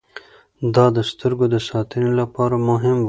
دا د سترګو د ساتنې لپاره هم و.